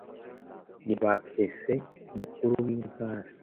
ni ba prefe (umukuru w’intara)